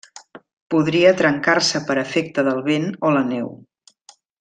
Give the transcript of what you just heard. Podria trencar-se per efecte del vent o la neu.